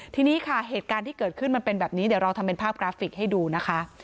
ทีนี้ค่ะเหตุการณ์ที่เกิดขึ้นมันเป็นแบบนี้เดี๋ยวเราทำเป็นภาพกราฟิกให้ดูนะคะ